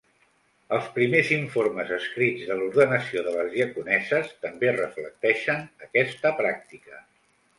Els primers informes escrits de l'ordenació de les diaconesses també reflecteixen aquesta pràctica.